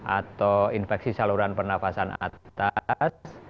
atau infeksi saluran pernafasan atas